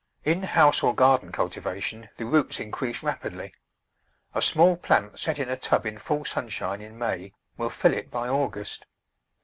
In house or garden cultivation the roots increase rapidly. A small plant set in a tub in full sunshine in May will fill it by August.